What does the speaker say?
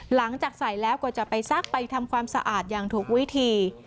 หลังจากใส่แล้วก็จะไปซักไปทำความสะอาดอย่างถูกวิธี